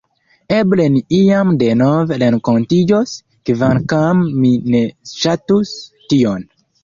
Eble ni iam denove renkontiĝos, kvankam mi ne ŝatus tion.